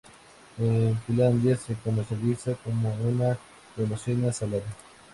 En Finlandia se comercializa como una golosina salada.